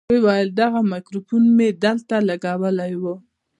ويې ويل دغه ميکروفون مې دلته لګولى و.